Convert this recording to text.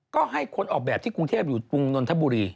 ก็ให้คนออกแบบที่กรุงเทพอยู่กรุงนนทบุรี